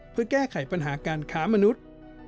เพื่อแก้ไขปัญหาการค้ามนุษย์